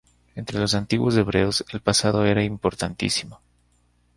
Entre los antiguos hebreos el pasado era importantísimo.